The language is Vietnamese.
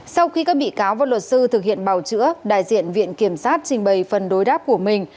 sau khi các bị cáo và luật sư thực hiện bảo chữa đại diện viện kiểm sát trình bày phần đối đáp của mình